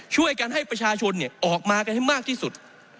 ช่วยกันให้ประชาชนออกมากันให้มากที่สุด